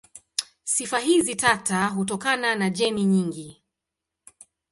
Sifa hizi tata hutokana na jeni nyingi.